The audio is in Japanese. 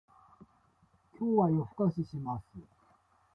今日は夜更かしします